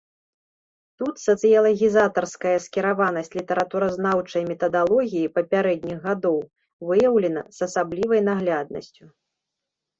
Тут сацыялагізатарская скіраванасць літаратуразнаўчай метадалогіі папярэдніх гадоў выяўлена з асаблівай нагляднасцю.